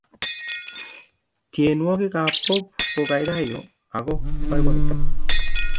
tienwokik ap pop kokaikaiyo ako poipoito